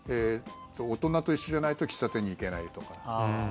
大人と一緒じゃないと喫茶店に行けないとか。